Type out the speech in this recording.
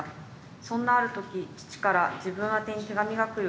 そんなある時父から自分宛てに手紙が来る。